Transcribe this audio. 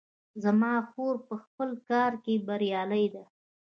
زما خور په خپل کار کې بریالۍ ده